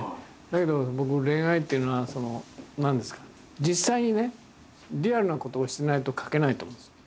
だけど僕恋愛っていうのは実際にねリアルなことをしてないと描けないと思うんですよ。